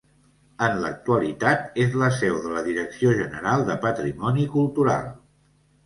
En l’actualitat és la seu de la Direcció General de Patrimoni Cultural.